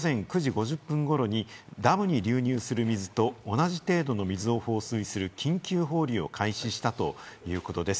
水資源機構によりますと、午前９時５０分頃にダムに流入する水と同じ程度の水を放水する緊急放流を開始したということです。